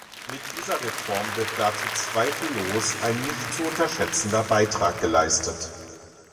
Mit dieser Reform wird dazu zweifellos ein nicht zu unterschätzender Beitrag geleistet.